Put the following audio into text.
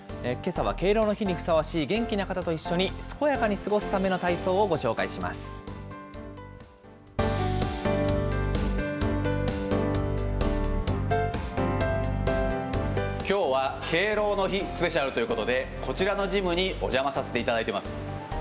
けさは敬老の日にふさわしい元気な方と一緒に健やかに過ごすためきょうは敬老の日スペシャルということで、こちらのジムにお邪魔させていただいてます。